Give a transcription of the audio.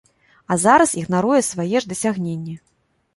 А зараз ігнаруе свае ж дасягненні!